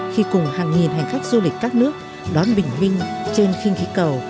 khi cùng hàng nghìn hành khách du lịch các nước đón bình minh trên khinh khí cầu